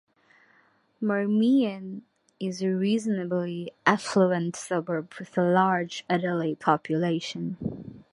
Marmion is a reasonably affluent suburb with a large elderly population.